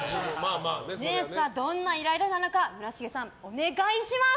どんなイライラなのか村重さん、お願いします。